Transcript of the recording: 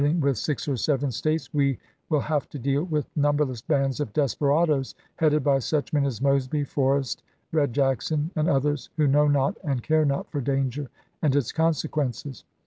ing with six or seven States, we will have to deal with numberless bands of desperados, headed by such men as Mosby, Forrest, Red Jackson, and others, who know not, and care not for danger and its consequences."